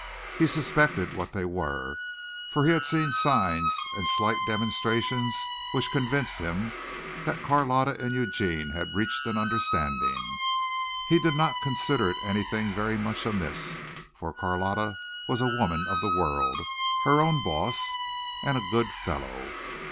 He suspected what they were, for he had seen signs and slight demonstrations which convinced him that Carlotta and Eugene had reached an understanding. He did not consider it anything very much amiss, for Carlotta was a woman of the world, her own boss and a "good fellow."